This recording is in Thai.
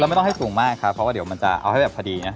ไม่ต้องให้สูงมากครับเพราะว่าเดี๋ยวมันจะเอาให้แบบพอดีนะ